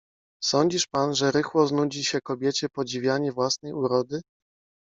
Sądzisz pan, że rychło znudzi się kobiecie podziwianie własnej urody?